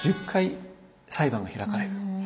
１０回裁判が開かれる。